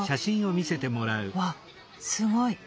うわっすごい！